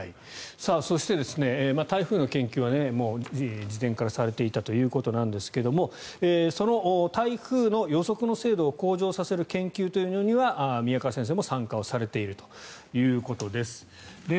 そして、台風の研究はもう事前からされていたということですがその台風の予測の精度を向上させる研究というのには宮川先生も参加をされているということです。